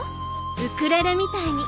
ウクレレみたいに。